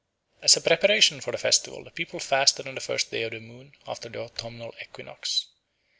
As a preparation for the festival the people fasted on the first day of the moon after the autumnal equinox.